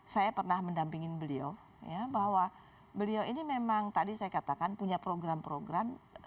saya pernah mendampingin beliau ya bahwa beliau ini memang tadi saya katakan punya program program